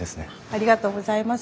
ありがとうございます。